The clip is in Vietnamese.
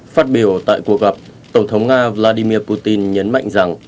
phát biểu tại cuộc gặp tổng thống nga vladimir putin nhấn mạnh rằng